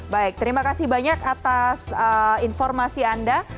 baik terima kasih banyak atas informasi anda